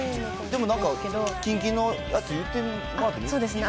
でもなんか、近々のやつ言ってもらってもいいですか。